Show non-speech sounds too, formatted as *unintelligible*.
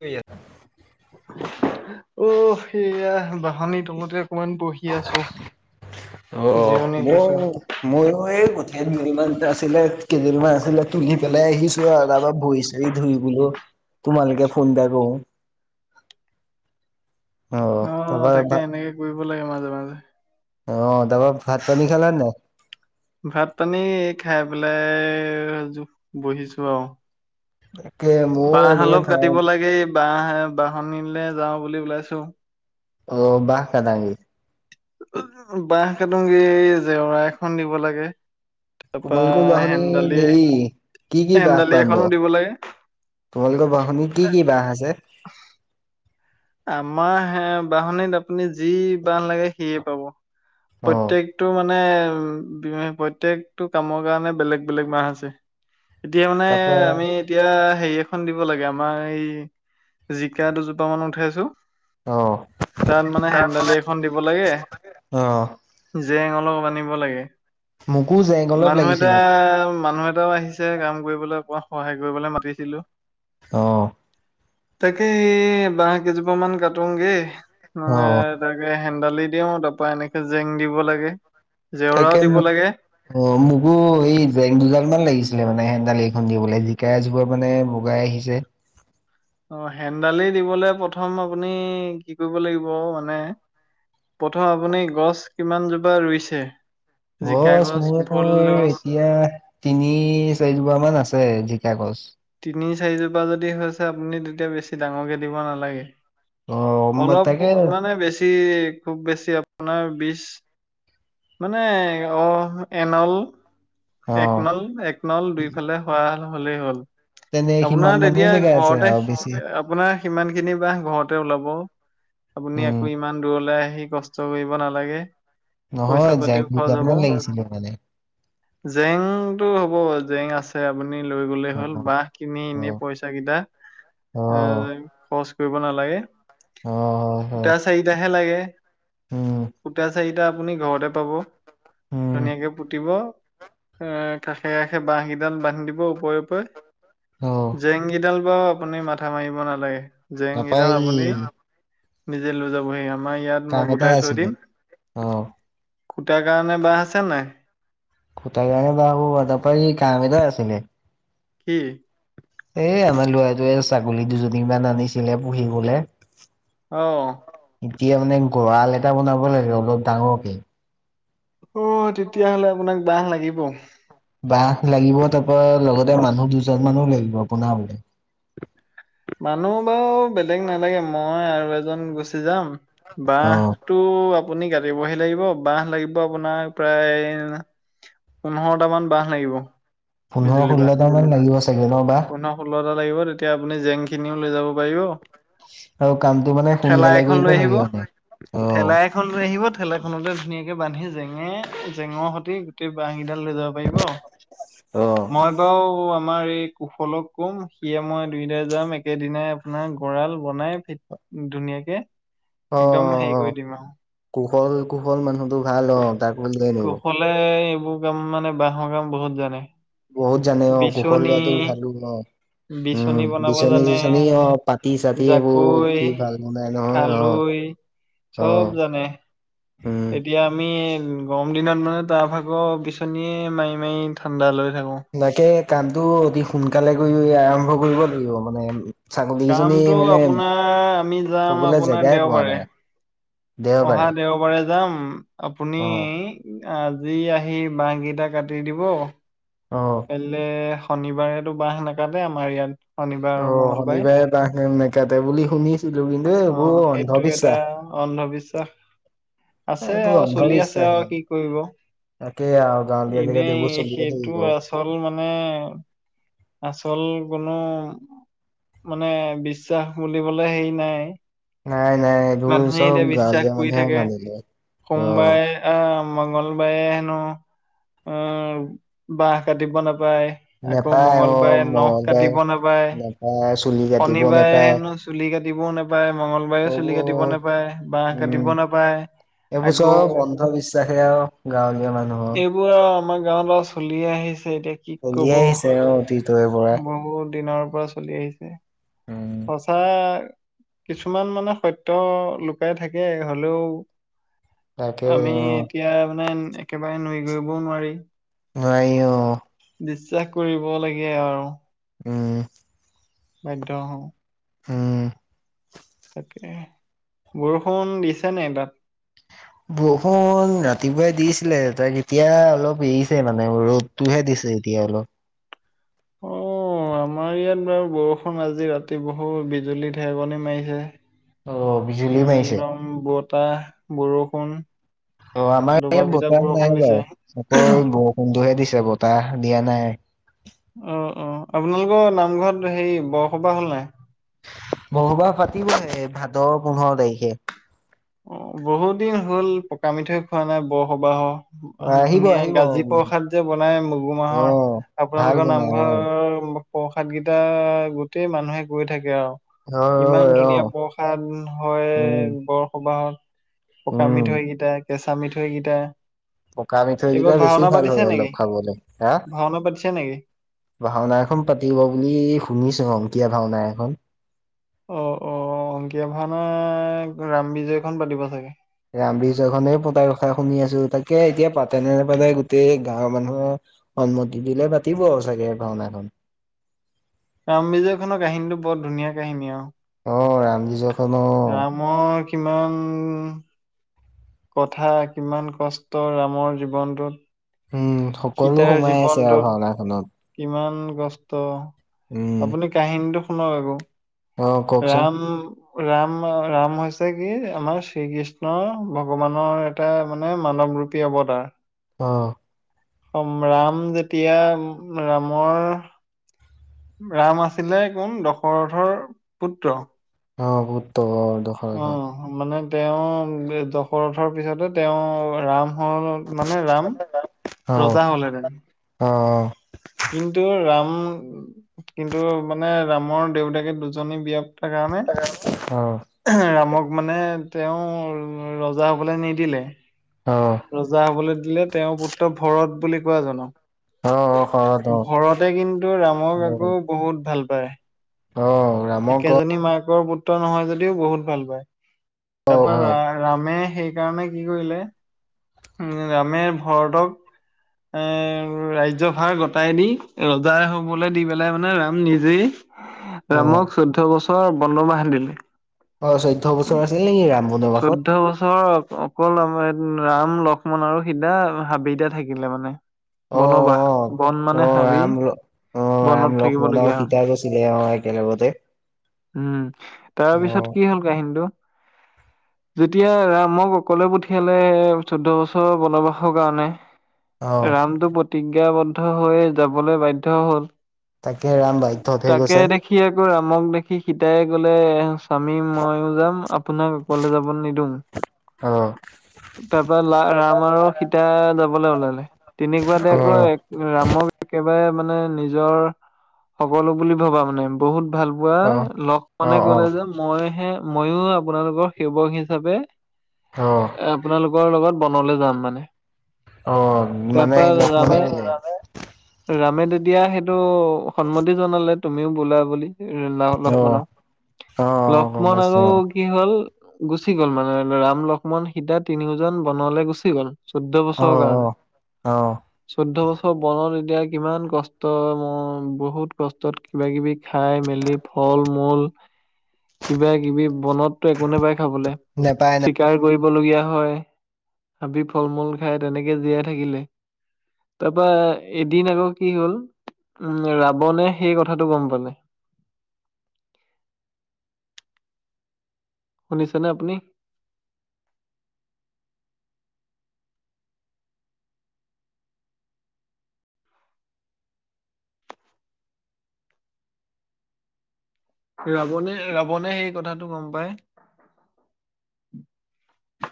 আ অ সেয়া বাহানিৰ তলতে অকমান পঢহি অ জিৰণি মোৰ লৈছো। ময়ো এই কঠীয়াত দুমান আছিলে কেইযোৰীমান আছিলে তুলি পেলাই আহিছো আৰু তপ বহিছ এই ধুই গুলো তোমালোকে ফোন দাই কৰ অ তাৰপা ভা তাকে এনেকে কৰিব লাগে মাজে মাজে অ তাৰাপা ভাত পানী খালা নাই ভাত পানী খাই পেলায় বহিছো আৰু কে মোৰ এনেকে ভাই বা বাহনিলে যাওঁ বুলি ওলাইছো অ বাহ কদাংগি বহ কাটুংগি জেওৰা এখন দিব লাগে তাৰপা তোমালোকৰ বাহনী হেন্দালি হেৰি কি কি বাস হেন্দালি পাম এখনো বাৰু দিব লাগে তোমালোকৰ ব শুনিৰ কি কি বাহ আছে আমাৰ হে বাহনিত আপুনি যি বাহ লাগে সিয়ে পাব অ', প্ৰত্যেকটো মানে উ প্ৰত্যেকটো কামৰ কাৰণে বেলেগ বেলেগ মাহ আছে এতিয়া মানে তাৰপা আমি এতিয়া হেৰি এখন দিব লাগে আমাৰ এই জিকা দুজোপা মান উঠাইছো অ', তাত মানে হেন্দালি এখন দিব লাগে অ', জেং অলপ আনিব লাগে মোকো জেং অলপ মানুহ এটা লাগিছিলে মানুহ এটাও আহিছে কাম কৰিবলৈ কাত সহায় কৰিবলৈ মাতিছিলো অঁ তাকে স বাহ কেইজোপা মান কটোগে উ অ', তাকে হেন্দালি দিও তাৰ পৰাা এনেকে জেং দিব লাগে জেওৰাও তাকে দিব লাগে অ মোকো এই জ দুডাল মান লাগিছিলে মানে হেডাল এইখন দিবলৈ জিকা জোপৰ মানে লগগাই আহিছে অ হেন্দালি দিবলে প্ৰথম আপুনি কি কৰিব লাগিব মানে প্ৰথম আপুনি গছ কিমান জোপা ৰুইছে জিকা বচ গছ, মোৰ ভোল গছ এতিয়া তিনি চাৰিজোপাৰ মান আছে জিকা গছ তিনি চাৰিজোপা যদি হৈছে আপুনি তেতিয়া বেছি ডাঙৰকে দিব নালাগে অ', মই অলপ তাকে মানে বেছি খুব বেছি আপোনাৰ বি মানে অ এনল এক অ', নল এক নল দুইফালে হোৱা হলেই হ'ল তেনে সিমান আপোনাৰ মানে তেতিয়া জেগা আছে ঘৰতে আৰু বেছি আপোনাৰ সিমান খিনি বাহ ঘৰতে ওলাব আপুনি উম, আকৌ ইমান দূৰলৈ আহি কষ্ট কৰিব নালাগে পইচা নহয় পাতিও যাকক দুটাৰমানান লাগিছিলে মানে জেংতটো হ'ব বাৰু জেং আছে আপুনি লৈ গলে হ'ল অ', বাহ কিনি এনে অ', পইচা কেইটা অ', এ অ', খচ কৰিব নালাগে অ সূতা চাৰিটাাহে লাগে উম, সূতা চাৰিটা আপুনি ঘৰতে পাব উম, ধুনীয়াকে পুতিব এ কাষে কাষে বহ কেইডাল বান্ধি দিব ওপৰে ওপৰে অ', জেং কেইডাল বা আপুনি মাথা মাৰিব নালাগে জেং তাৰপা কেইটা এই আপুনি নিজে লৈ যাবহি আমাৰ ইয়াত কাম মই এটা গোটাই থৈ আছিলে দিম অ', কুটাৰ কাৰণে বাহ আছে নাই কোটাই জানে বাহু তাৰপৰা কাম এদ আছিলে কি এ আমাৰ ল'ৰাটোৱে ছাগলী দুজনীমান আনিছিলে পুহিবলে অ এতিয়া মানে গঁৰাল এটা বনাব লাগে অলপ ডাঙৰকে অ তেতিয়াহ'লে আপোনাক বাহ লাগিব বাহ লাগিব তাৰপৰা লগতে মানুহ দুজন মানোও লাগিব বোনাবলে মানুহ বাৰু বেলেগ নালাগে মই আৰু এজন গুচি যাম বাহ অ' টো আপুনি কাটিবহি লাগিব বাহ লাগিব আপোনাক প্ৰায় পোন্ধৰটা মান বাহ লাগিব পোন্ধৰ ষোল্লটাৰ মান লাগিব চাগে ন বাহ ষোল্ল টা লাগিব তেতিয়া আপুনি জেং খিনিও লৈ যাব পাৰিব আৰু কামটো মানে ঠেলা সোনকালে কৰিব লাগে মানে অ খন লৈ আহিব ঠেলা খনতে ধুনীয়াকে বান্ধি জেঙে জেঙৰ সৈতে গোটেই বাঁহকেইডাল লৈ যাব *unintelligible* অ' মই বাও আমাৰ এই কুশলক ক'ম সিয়ে মই দুইটাই যাম একেদিনেই নাই গঁডৰাল বনাই ধুনীয়াকে একদম হেৰি কৰি অ' দিম আৰু কুশল কুশল মানুহতো ভাল অ তাক দিবাই লাগিব এফালে এইবোৰ কাম মানে বাঁহৰ কাম বহুত জানে বহুত জানে অ গোখল বিচনী লৰাটো ভাল অ উম বিচনী বনাব বিচনী জানে, চিচনী অ পাতি চাতি এইবোৰ জাকৈ, সি ভাল উম বাই নহয় অ *unintelligible* খালৈ চব অ' জানে উম এতিয়া আমি গৰম দিনত মানে তাৰভাগৰ বিচনীয়ে মাৰি মাৰি ঠাণ্ডা লৈ থাকোঁ তাকে কামটো অতি সোনকালে কৰি আৰম্ভ কৰিব লাগিব মানে ছাগলীকেইজনী কামটো মানে আপোনাৰ আমি যাম থকললৈ আপোনাৰ জেগাই পোৱা দেওবাৰে। নাই অহা দেওবাৰে দেওবাৰে যাম আপুনি অ আজি আহি বাহ কেইটা কাটি দিব অ কাইলে শনিবাৰেতো বাহ নাকাটে আমাৰ ইয়াত শনিবাৰ আৰু অ মঙ্গলবাৰে। শনিবাৰে তাকে মেকাতে বুলি শুনিছ অ সেইটো এটা অন্ধবিশ্বাস আছে এইটো আৰু চলি আছে আৰু কি কৰিব তাকে আৰু গাঁৱলীয়া জেগাত এইবোৰ চলি থাকে টো আচল মানে আচল কোনো মানে বিশ্বাস বুলিবলে হেই নাই- নাই নাই এইবোৰ মানুহে চব এতিয়া বিশ্বাস গাঁৱলীয়া কৰি মানুহে থাকে মানি লয় অ কোনোবাই আহ মঙ্গলবাৰে হেনো আহ বাহ কাটিব নাপায় আকৌ নেপায় মঙ্গলবাৰে নখ কাটিব নাপায় এ চুলি কাটিব শনিবাৰে নেপায় হেনো চুলি কাটিবও নাপায় মংগলবাৰেও হ'ব চুলি কাটিব নাপায়, বাহ উম কাটিব নাপায় এইবোৰ চব আকৌ বন্ধ বিশ্বাসে আৰু গাঁৱলীয়া মানুহৰ এইবোৰ আৰু আমাৰ গাঁৱত আৰু চলিয়ে আহিছে এতিয়া কি চলি কব আহিছে অ অতীতৰে পৰা বহু দিনৰ পৰা চলি আহিছে। উম সঁচা কিছুমান মানে সত্য লুকাই থাকে হলেও তাকে আমি অ এতিয়া মানে একেবাৰে নুই গৰিবও নোৱাৰি নাই অ', বিশ্বাস কৰিব লাগে আৰু উম, বাধ্য হওঁ উম, তাকে বৰষুণ দিছে নাই তাত বৰষুণ ৰাতিপুৱাই দিছিলে তাক এতিয়া অলপ এৰিছে মানে ৰ'দ তহে দিছে এতিয়া অলপ। অ' আমাৰ ইয়াত বাৰু বৰষুণ আজি ৰাতি বহুত বিজুলী ঢেকনি মাৰিছে। অ বিজুলী মাৰিছে একদম বতাহ বৰষুণ অ' আমাৰ দবা ইয়াত পিটা বতাহ নাই বৰষুণ বাৰু দিছে অকল বৰষুণহে দিছে বতাহ দিয়া নাই। অ' অ' আপোনালোকৰ নামঘৰত হেৰি বৰসবাহ হ'ল নাই? বৰসবাহ পাতিবহে ভাদ পোন্ধৰ তাৰিখে। অ' বহুত দিন হল পকা মিঠৈ খোৱা নাই বৰসবাহ। আহিব ধুনীয়া আহিব গাজী প্ৰসাদ যে বনাই মগু অ মাহৰ। ভাল আপোনালোকৰ বনাই অ নামঘৰ প্ৰসাদ কেইটা গোটেই মানুহে গৈ থাকে আৰু ইমান হয় হয় অ ধুনীয়া প্ৰসাদ। প্ৰসাদ হয় উম বৰসবাহত পকা উম মিঠৈকেইটাক কেচা মিঠৈকেইটা। পকা আামি থৈ বেছি ভাল হয় নেকি? অলপ খাবলৈ হা? ভাওনা পাতিছে নেকি? ভাওনা এখন পাতিব বুলি শুনিছো অংকীয়া ভাওনা এখন। অ', অ' অংকীয়া ভানা ৰাম বিজয়খন পাতিব চাগে। ৰামবিজয় খনে পতাৰ কথা শুনি আছো তাকে এতিয়া পাতে নে নেপাতে গোটেই গাঁৱৰ মানুহৰ সন্মতি দিলে পাতিব আৰু চাগে ভাওনাখন। ৰাম বিজয় খনৰ কাহিনীটো বৰ ধুনীয়া কাহিনী আৰু অ' ৰামজিজখন অ'। মই কিমান কথা কিমান কষ্ট ৰামৰ জীৱনটোত। উম, সকলো সীতাৰ সোমাই আছে আৰু জীৱনটোত ভাওনাখননত। কিমান কষ্ট উম আপুনি কাহিনীটো শুনক আকৌ অ কওকচোন ৰাম ৰাম ৰাম হৈছে কি আমাৰ শ্ৰীকৃষ্ণ ভগৱানৰ এটা মানে মানৱ ৰূপী হ'ব তাৰ। অ', ৰাম যেতিয়া ৰামৰ ৰাম আছিলে কোন দশৰথৰ পুত্ৰ। অ' পুত্ৰ হ অ' মানে তেওঁ দশৰথৰ পিছতে তেওঁ ৰাম হল মানে ৰাম অ ৰজা হ'লেহতেন। অ' কিন্তু ৰাম কিন্তু মানে ৰামৰ দেউতাকে দুজনী বিয়া পতাৰ কাৰণে অ', ৰামক মানে তেওঁ ৰজা হবলৈ নিদিলে। অ', ৰজা হবলৈ দিলে তেওঁৰ পুত্ৰ ভৰত বুলি কোৱা অ অ জানক। শৰৎ অ ভৰতে কিন্তু ৰামক অ আকৌ বহুত ভাল পায়। অ' ৰামৰ ক একেজনী মাকৰ পুত্ৰ নহয় যদিও বহুত ভাল পায় তাৰ হয় পৰাৰা ৰা ৰামে সেইকাৰণে কি কৰিলে উম ৰামে ভৰৰতক এ ৰাজ্যভাৰ গতাই দি ৰজাই হবলৈ দি পেলাই মানে ৰাম নিজেই অ ৰামক চৈধ্য বছৰ বন্দ মাহ দিলে। অ চৈধ্য বছৰ আছিল নেকি ৰাম বনবাসত চৈধ্য বছৰ অকল আম ৰাম লক্ষ্মণ আৰু সিদা হাবিতা থাকিলে মানে। অ অ বনবাস বন অ মানে হাবি। ৰাম অ' বনত ৰাম লক্ষ্মণৰ থাকিবলগীয়া হ'ল সীতা কছিলে অ' একেলগতে উম অ তাৰপিছত কি হ'ল কাহিনটো যেতিয়া ৰামক অকলে পঠিয়ালে চৈধ্য বছৰ বনবাসৰ কাৰণে অ ৰামটো প্ৰতিজ্ঞাবদ্ধ হৈ যাবলৈ বাধ্য হল তাকে ৰাম বাইধ্যত হে গৈছে সি আকৌ ৰামক দেখি সীতাই গ'লে স্বামী ময়ো যাম আপোনাক অকলে যাব নিদিওঁ অ তাৰপৰা অ ৰাম আৰু সীতা যাবলৈ ওলালে তেনেকুৱাতে আকৌ ৰামক একেবাৰে মানে নিজৰ সকলো বুলি ভবা মানে বহুত ভাল পোৱা অ অ লক্ষ্মণে ক'লে যে মইহে ময়ো আপোনালোকৰ সেৱক হিচাপে অ অ আপোনালোকৰ লগত বনলে যাম মানে অ', মানে তাৰপা লক্ষ্মণে ৰামে ৰামে তেতিয়া সেইটো সন্মতি জনালে তুমিও বোলা বুলি অ অ লক্ষ্মণ অ গম লক্ষ্মণ পাইছো আৰু অ কি হ'ল গুচি গ'ল মানে ৰাম লক্ষ্মণ সিতা তিনিওজন বনলৈ গুচি গ'ল চৈধ্য অ অ বছৰ কাৰনে অ' চৈধ্যয় বছৰ বনত এতিয়া কিমান কষ্ট মই বহুত কষ্টত কিব কিবি খাই মেলি ফল মূল কিবা কিবি বনত তাতে একো নাপায় খাবলে নেপায় ন ছিকাৰ কৰিবলগীয়া হয় হাবি ফল মূল খাই তেনেকে জীয়াই থাকিলে তাৰপৰা এদিন আকৌ কি হ'ল উম ৰাৱণে সেই কথাটো গম পালে শুনিছেনে আপনি ৰাৱণে ৰাৱণে সেই কথাটো গম পায়